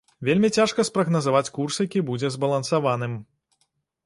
Вельмі цяжка спрагназаваць курс, які будзе збалансаваным.